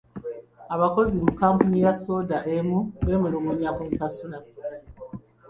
Abakozi mu kkampuni ya soda emu beemulugunya ku nsasula.